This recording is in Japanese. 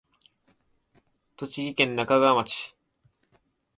栃木県那珂川町